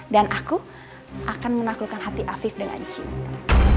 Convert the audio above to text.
aku akan menaklukkan hati afif dengan cinta